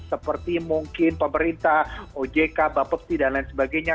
seperti mungkin pemerintah ojk bapepti dan lain sebagainya